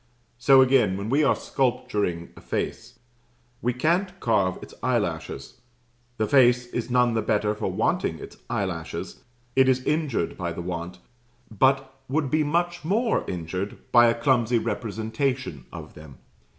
So again, when we are sculpturing a face, we can't carve its eyelashes. The face is none the better for wanting its eyelashes it is injured by the want; but would be much more injured by a clumsy representation of them.